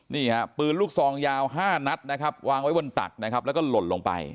นี่ฮะปืนลูกซองยาว๕นัดนะครับวางไว้บนตักนะครับแล้วก็หล่นลงไป